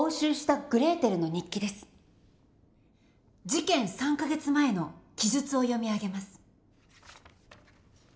事件３か月前の記述を読み上げます。